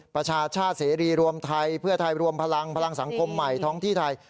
ประชาชาติเสรีรวมไทยเพื่อไทยรวมพลังพลังสังคมใหม่ท้องที่ไทย